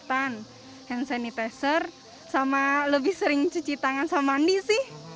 kesehatan hand sanitizer sama lebih sering cuci tangan sama mandi sih